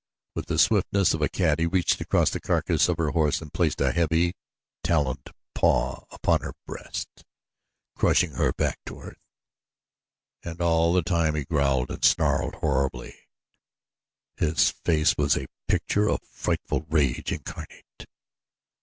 With the swiftness of a cat he reached across the carcass of the horse and placed a heavy, taloned paw upon her breast, crushing her back to earth, and all the time he growled and snarled horribly. His face was a picture of frightful rage incarnate.